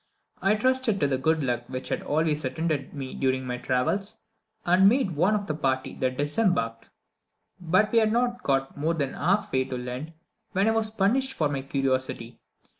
I trusted to the good luck which had always attended me during my travels, and made one of the party that disembarked; but we had not got more than half way to land when I was punished for my curiosity.